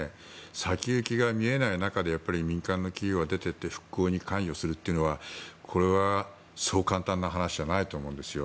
先行きが見えない中で民間企業が出て行って復興に関与するというのはそう簡単な話じゃないと思うんですよ。